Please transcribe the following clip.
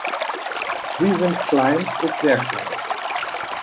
Sie sind klein bis sehr klein.